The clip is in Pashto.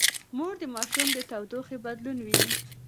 مور د ماشوم د تودوخې بدلون ويني.